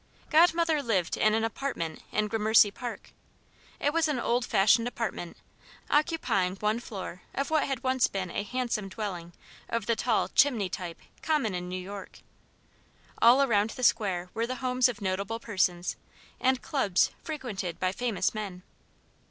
Godmother lived in an apartment in Gramercy Park. It was an old fashioned apartment, occupying one floor of what had once been a handsome dwelling of the tall "chimney" type common in New York. All around the Square were the homes of notable persons, and clubs frequented by famous men.